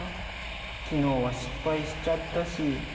昨日は失敗しちゃったし。